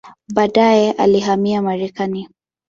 Baadaye alihamia Marekani.